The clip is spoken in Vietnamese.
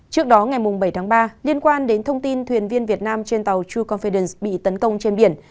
trước đó ngày bảy tháng ba liên quan đến thông tin thuyền viên việt nam trên tàu true confidence bị tấn công trên biển